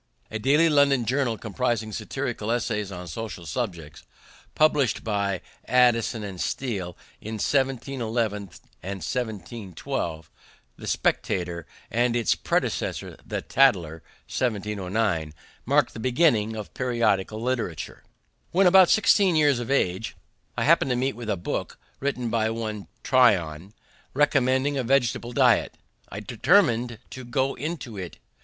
A daily London journal, comprising satirical essays on social subjects, published by Addison and Steele in 1711 1712. The Spectator and its predecessor, the Tatler (1709), marked the beginning of periodical literature. When about 16 years of age I happened to meet with a book, written by one Tryon, recommending a vegetable diet. I determined to go into it.